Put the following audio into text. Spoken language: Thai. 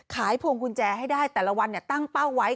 พวงกุญแจให้ได้แต่ละวันตั้งเป้าไว้